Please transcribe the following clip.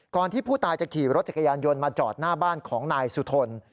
ที่ผู้ตายจะขี่รถจักรยานยนต์มาจอดหน้าบ้านของนายสุทน